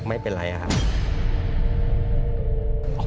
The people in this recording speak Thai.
ไม่เป็นไรครับ